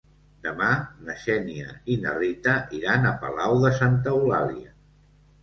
Demà na Xènia i na Rita iran a Palau de Santa Eulàlia.